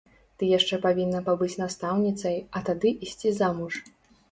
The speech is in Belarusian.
Ты яшчэ павінна пабыць настаўніцай, а тады ісці замуж.